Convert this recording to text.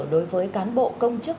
đối với cán bộ công chức